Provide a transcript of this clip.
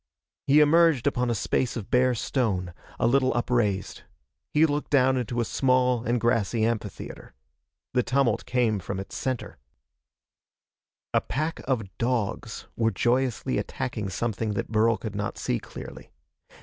He emerged upon a space of bare stone, a little upraised. He looked down into a small and grassy amphitheater. The tumult came from its center. A pack of dogs were joyously attacking something that Burl could not see clearly.